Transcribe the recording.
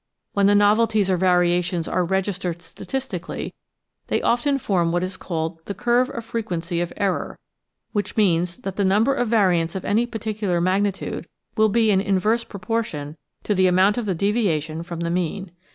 When the novelties or variations are registered statistically they often form what is called the Curve of Frequency of Error, which means that the number of variants of any particular magni tude will be in inverse proportion to the amount of the deviation from the mean.